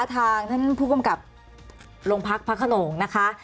ทางท่านผู้กำกับโรงพักพระขนงนะคะ